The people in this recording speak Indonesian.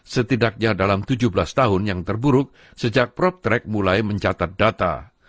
setidaknya dalam tujuh belas tahun yang terburuk sejak proptrack mulai mencatat data